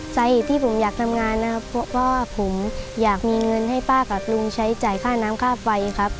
สาเหตุที่ผมอยากทำงานนะครับเพราะว่าผมอยากมีเงินให้ป้ากับลุงใช้จ่ายค่าน้ำค่าไฟครับ